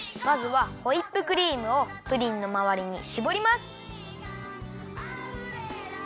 まずはホイップクリームをプリンのまわりにしぼります。